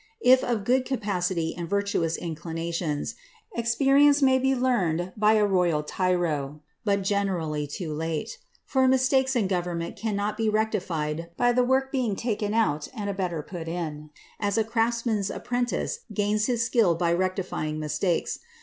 If of good capacity and virtuous inclim tions, experience may be learned by a royal tyro, but generally too lali for mistakes in government cannot be rectified by the work beinff take out and better put in, as a crafUman^s apprentice gains his skill by rei tifying mistakes.